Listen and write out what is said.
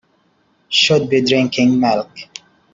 Should be drinking milk.